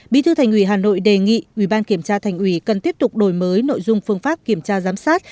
bí thư thành ủy hà nội đề nghị ủy ban kiểm tra thành ủy cần tiếp tục đổi mới nội dung phương pháp kiểm tra giám sát